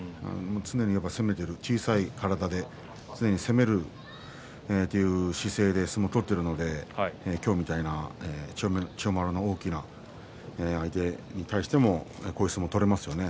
常に攻めている小さい体で常に攻める姿勢で相撲を取っているので今日みたいな千代丸の大きな相手に対してもこういう相撲が取れますよね。